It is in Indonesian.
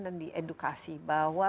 dan diedukasi bahwa